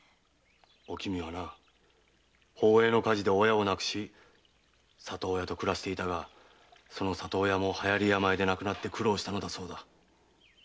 おきみはな宝永の火事で親を亡くし里親と暮らしていたがその里親も流行り病で亡くなって苦労したのだそうだ。